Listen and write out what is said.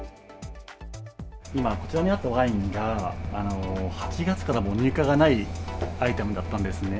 今、こちらにあったワインが、８月からもう入荷がないアイテムだったんですね。